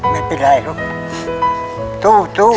ไม่เป็นไรลูกสู้